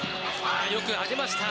よく上げました